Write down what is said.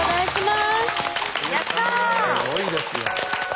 すごいですよ。